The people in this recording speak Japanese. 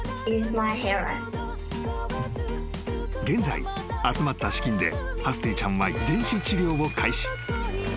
［現在集まった資金でハスティちゃんは遺伝子治療を開始］